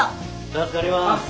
助かります。